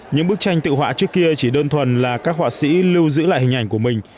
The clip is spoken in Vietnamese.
những bức tranh tự họa trước kia chỉ đơn thuần là các họa sĩ lưu giữ lại hình ảnh của mình